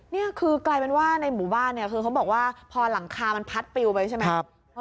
นี่คือกลายเป็นว่าในหมู่บ้านเนี่ยคือเขาบอกว่าพอหลังคามันพัดปิวไปใช่ไหม